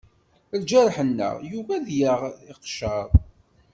Lǧarḥ-nneɣ, yugi ad yaɣ iqcer.